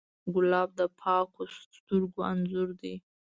ګلاب د پاکو سترګو انځور دی.